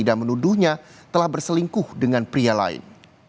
dan menuduhnya telah berselingkuh dengan pria lain